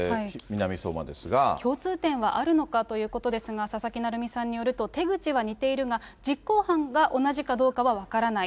共通点はあるのかということですが、佐々木成三さんによると、手口は似ているが、実行犯が同じかどうかは分からない。